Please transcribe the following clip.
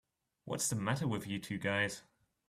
What's the matter with you two guys?